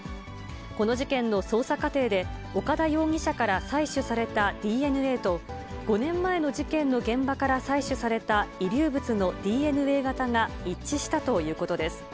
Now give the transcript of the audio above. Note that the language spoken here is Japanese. この事件の捜査過程で、岡田容疑者から採取されたＤＮＡと、５年前の事件の現場から採取された遺留物のＤＮＡ型が一致したということです。